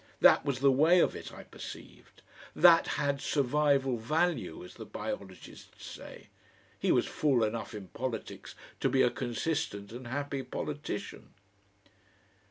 That was the way of it, I perceived. That had survival value, as the biologists say. He was fool enough in politics to be a consistent and happy politician....